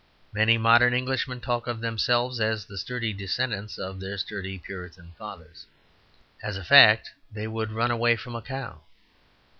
Many modern Englishmen talk of themselves as the sturdy descendants of their sturdy Puritan fathers. As a fact, they would run away from a cow.